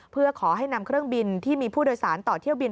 เพื่อขอให้นำเครื่องบินที่มีผู้โดยสารต่อเที่ยวบิน